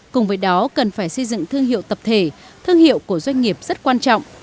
cùng với đó cần phải xây dựng thương hiệu tập thể thương hiệu của doanh nghiệp rất quan trọng